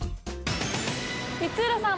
光浦さん